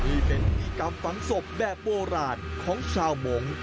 นี่เป็นพิธีกรรมฝังศพแบบโบราณของชาวมงค์